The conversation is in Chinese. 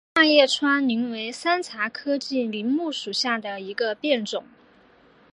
大叶川柃为山茶科柃木属下的一个变种。